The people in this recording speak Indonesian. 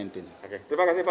terima kasih pak